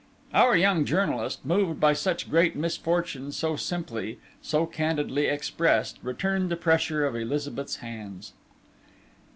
Our young journalist, moved by such great misfortune so simply, so candidly expressed, returned the pressure of Elizabeth's hands.